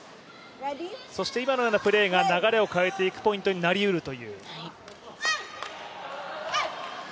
そして今のようなプレーが流れを変えていくプレーになりうるという。